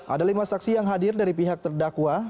ada lima saksi yang hadir dari pihak terdakwa